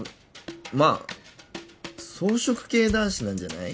まあ草食系男子なんじゃない？